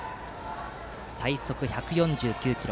最速１４９キロ。